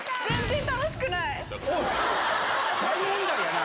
大問題やな。